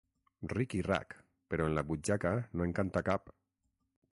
Ric i rac, però en la butxaca no en canta cap.